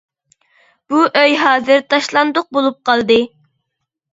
بۇ ئۆي ھازىر تاشلاندۇق بولۇپ قالدى.